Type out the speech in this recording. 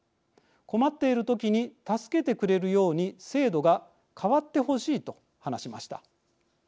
困っている時に助けてくれるように制度が変わってほしい」と話しました。